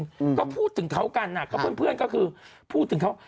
ก็พูดถึงเขากันนะเพื่อนก็คือพูดถึงเขา